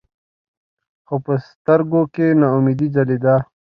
خو پۀ سترګو کښې ناامېدې ځلېده ـ